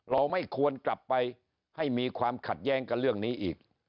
เราไม่ควรกลับไปให้มีความขัดแย้งกับเรื่องนี้อีก